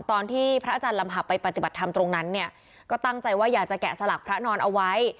พระอาจารย์ลำหับไปปฏิบัติธรรมตรงนั้นเนี่ยก็ตั้งใจว่าอยากจะแกะสลักพระนอนเอาไว้